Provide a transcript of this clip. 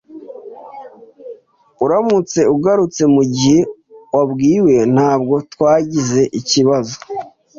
Uramutse ugarutse mugihe wabwiwe, ntabwo twagize ikibazo.